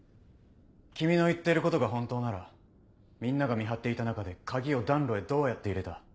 君の言っていることが本当ならみんなが見張っていた中で鍵を暖炉へどうやって入れた？